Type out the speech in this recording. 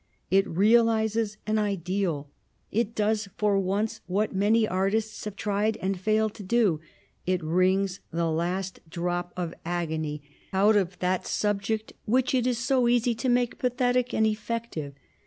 It realises an ideal, it does for once what many artists have tried and failed to do; it wrings the last drop of agony out of that subject which it is so easy to make pathetic and effective.